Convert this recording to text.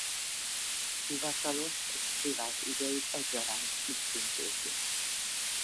Hivatalos és privát ügyeit egyaránt itt intézi.